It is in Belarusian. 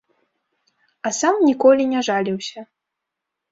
А сам ніколі не жаліўся.